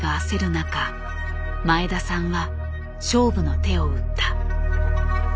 中前田さんは勝負の手を打った。